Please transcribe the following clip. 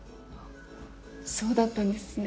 そうだったんですね。